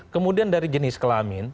kemudian dari jenis kelamin